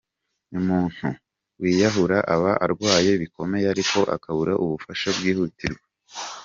Umuntu wiyahura aba arwaye bikomeye ariko akabura ubufasha bwihutirwa.